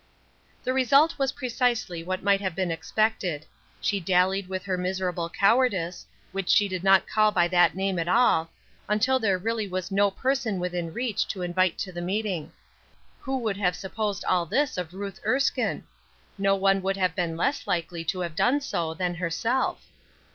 The result was precisely what might have been expected: she dallied with her miserable cowardice, which she did not call by that name at all, until there really was no person within reach to invite to the meeting. Who would have supposed all this of Ruth Erskine! No one would have been less likely to have done so than herself.